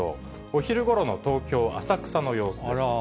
お昼ごろの東京・浅草の様子です。